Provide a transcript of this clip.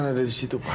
taufan ada disitu pak